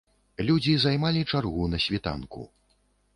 Людзі займалі чаргу на світанку.